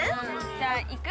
じゃあ行く？